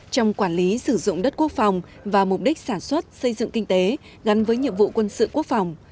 trong quản lý sử dụng đất quốc phòng và mục đích sản xuất xây dựng kinh tế gắn với nhiệm vụ quân sự quốc phòng